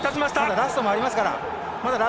ラストがありますから。